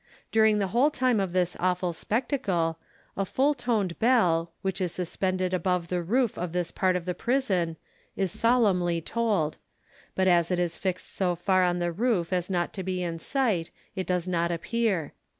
During the whole time of this awful spectacle, a full toned bell, which is suspended above the roof of this part of the prison, is solemnly tolled; but as it is fixed so far on the roof as not to be in sight, it does not appear.